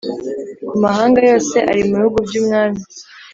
Ku mahanga yose ari mu bihugu by umwami